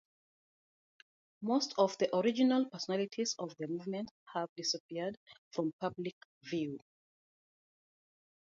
Most of the original personalities of the movement have disappeared from public view.